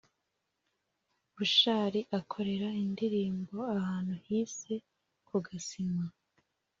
Bushali akorera indirimbo ahantu yise kugasima